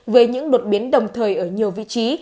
với những đột biến đồng thời ở nhiều vị trí